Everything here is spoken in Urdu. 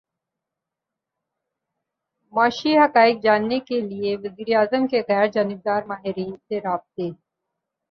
معاشی حقائق جاننے کیلیے وزیر اعظم کے غیر جانبدار ماہرین سے رابطے